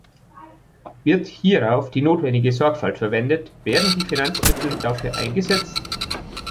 Wird hierauf die notwendige Sorgfalt verwendet, werden die Finanzmittel dafür eingesetzt?